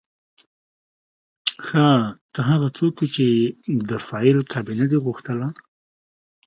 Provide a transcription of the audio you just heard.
ښه ته هغه څوک وې چې د فایل کابینه دې غوښتله